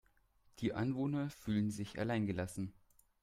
Die Anwohner fühlen sich allein gelassen.